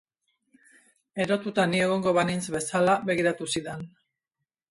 Erotuta ni egongo banintz bezala begiratu zidan.